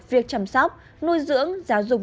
việc chăm sóc nuôi dưỡng giáo dục